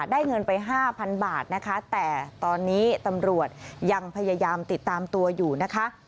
เงินไปห้าพันบาทนะคะแต่ตอนนี้ตำรวจยังพยายามติดตามตัวอยู่นะคะ